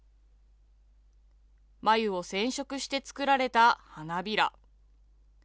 繭を染色して作られた花びら。